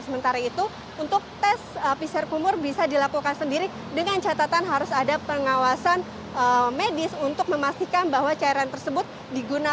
sementara itu untuk tes pcr kumur bisa dilakukan sendiri dengan catatan harus ada pengawasan medis untuk memastikan bahwa cairan tersebut digunakan